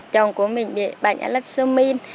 chồng của mình bị bệnh alexamine